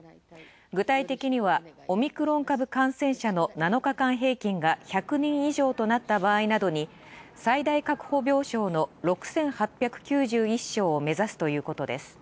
具体的にはオミクロン株感染者の７日間平均が１００人以上となった場合などに最大確保病床の６８９１床を目指すということです。